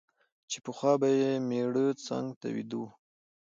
چي پخوا به یې مېړه څنګ ته ویده وو